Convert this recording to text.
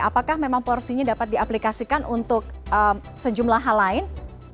apakah memang porsinya dapat diaplikasikan untuk sejumlah hal lain